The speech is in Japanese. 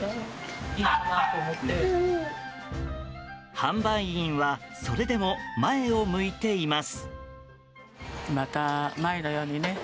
販売員はそれでも前を向いています。